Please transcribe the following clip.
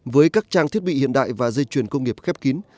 với các trang thiết bị hiện đại và dây chuyền công nghiệp khép kín